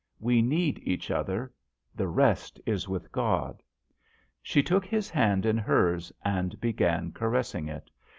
We need each other ; the rest is with God." She took his hand in hers, and began caressing it.